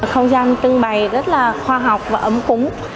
không gian trưng bày rất là khoa học và ấm cúng